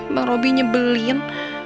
bang robi nyebelin